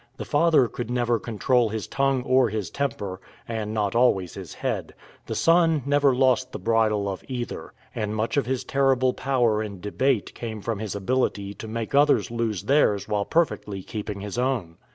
The father could never control his tongue or his temper, and not always his head; the son never lost the bridle of either, and much of his terrible power in debate came from his ability to make others lose theirs while perfectly keeping his own.